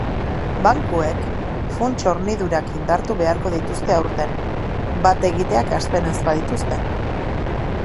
Bankuek funts-hornidurak indartu beharko dituzte aurten, bat-egiteak hasten ez badituzte.